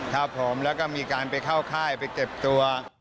ครับผมแล้วก็มีการไปเข้าค่ายไปเก็บตัว